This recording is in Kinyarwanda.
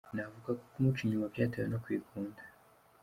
Navuga ko kumuca inyuma byatewe no kwikunda.